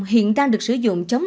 hiện đang được sử dụng